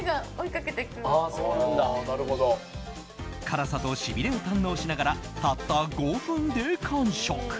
辛さとしびれを堪能しながらたった５分で完食。